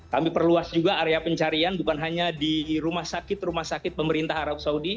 kami perluas juga area pencarian bukan hanya di rumah sakit rumah sakit pemerintah arab saudi